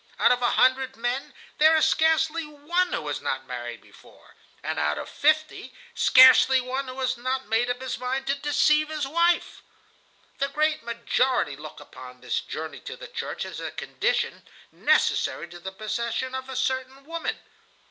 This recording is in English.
Out of a hundred men, there is scarcely one who has not married before, and out of fifty scarcely one who has not made up his mind to deceive his wife. "The great majority look upon this journey to the church as a condition necessary to the possession of a certain woman.